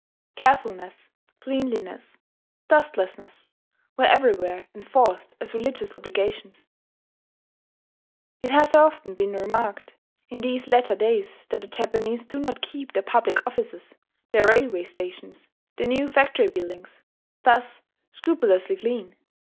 Carefulness, cleanliness, dustlessness, were everywhere enforced as religious obligations. ... It has often been remarked in these latter days that the Japanese do not keep their public offices, their railway stations, their new factory buildings, thus scrupulously clean.